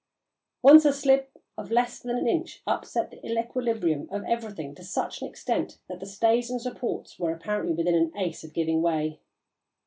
Once a slip of less than an inch upset the equilibrium of everything to such an extent that the stays and supports were apparently within an ace of giving way.